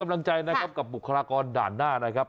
กำลังใจนะครับกับบุคลากรด่านหน้านะครับ